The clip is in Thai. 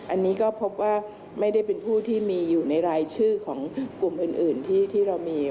อันนี้ก็พบว่าไม่ได้เป็นผู้ที่มีอยู่ในรายชื่อของกลุ่มอื่นที่เรามี